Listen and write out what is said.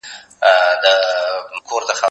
هغه وويل چي لوبي مهمي دي!؟